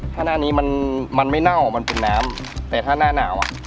ถ้าหน้านี้มันมันไม่เน่ามันเป็นน้ำแต่ถ้าหน้าหนาวอ่ะ